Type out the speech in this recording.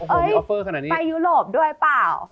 เฮ้ยไปยุโรปด้วยเปล่า